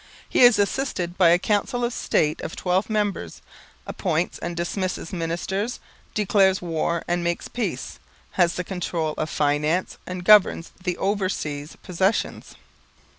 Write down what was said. He is assisted by a Council of State of twelve members, appoints and dismisses ministers, declares war and makes peace, has the control of finance and governs the overseas possessions.